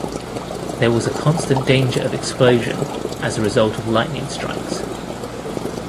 There was a constant danger of explosion as a result of lightning strikes.